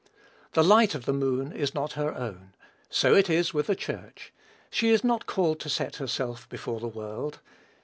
The light of the moon is not her own. So it is with the Church. She is not called to set herself before the world.